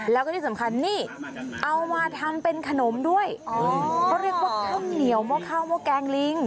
แล้วก็ที่สำคัญนี่เอามาทำเป็นขนมด้วยอ๋อเขาเรียกว่าข้าวเหนียวหม้อข้าวหม้อแกงลิง